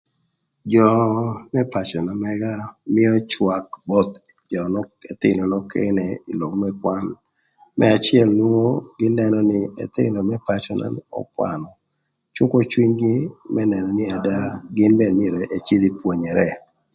Jö më pacö na mëga mïö cwak both jö nö ëthïnö nökënë ï lok më kwan më acël nwongo gïn nënö nï ëthïnö më pacöna ökwanö cükö cwinygï më nënö nï ada gïn mene myero ëcïdh ï pwonyere.